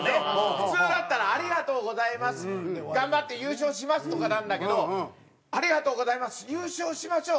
普通だったら「ありがとうございます」「頑張って優勝します」とかなんだけど「ありがとうございます！優勝しましょう！」。